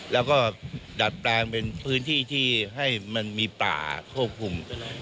แล้วก็ดัดแปลงเป็นพื้นที่ที่ให้มันมีป่าควบคุม